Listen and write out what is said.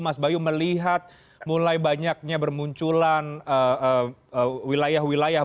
mas bayu melihat mulai banyaknya bermunculan wilayah wilayah